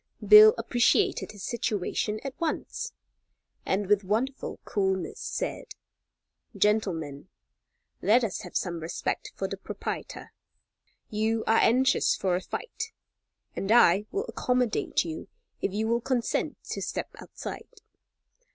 Bill appreciated his situation at once, and with wonderful coolness, said: "Gentlemen, let us have some respect for the proprietor. You are anxious for a fight, and I will accommodate you if you will consent to step outside.